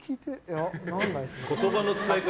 言葉の使い方